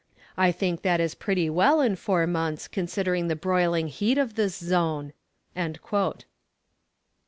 I think that is pretty well in four months, considering the broiling heat of this zone."